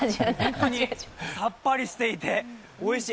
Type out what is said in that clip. さっぱりしていておいしい。